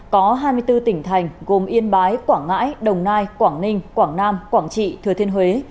có hai mươi bốn tỉnh thành gồm yên bái quảng ngãi đồng nai quảng ninh quảng nam quảng trị thừa thiên huế